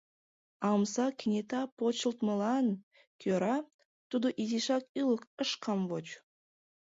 А омса кенета почылтмылан кӧра тудо изишак ӱлык ыш камвоч.